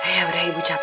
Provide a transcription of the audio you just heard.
ya udah ibu capek